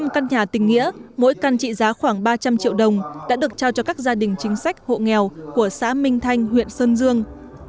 năm căn nhà tình nghĩa mỗi căn trị giá khoảng ba trăm linh triệu đồng đã được trao cho các gia đình chính sách hộ nghèo của xã minh thanh huyện sơn dương